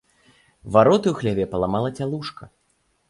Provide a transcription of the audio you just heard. Вароты ў хляве паламала цялушка.